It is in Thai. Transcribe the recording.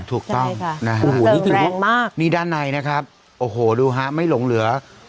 ถูกต้องนะครับเสริมแรงมากนี่ด้านในนะครับโอ้โหดูฮะไม่หลงเหลือ